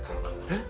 えっ？